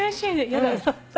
やだ。